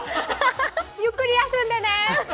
ゆっくり休んでね！